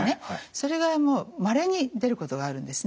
それがまれに出ることがあるんですね。